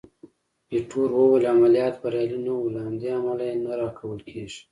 ایټور وویل: عملیات بریالي نه وو، له همدې امله یې نه راکول کېږي.